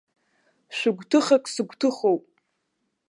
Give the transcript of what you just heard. Шәы-гәҭакык сыгәҭыхоуп.